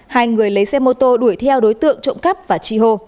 hai người lấy xe mô tô đuổi theo đối tượng trộm cấp và trị hồ